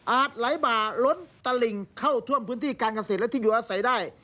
ไหลบ่าล้นตลิ่งเข้าท่วมพื้นที่การเกษตรและที่อยู่อาศัยได้